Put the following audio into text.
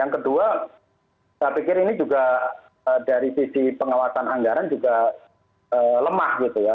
yang kedua saya pikir ini juga dari sisi pengawasan anggaran juga lemah gitu ya